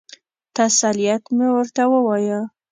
تسلیت مې ورته ووایه.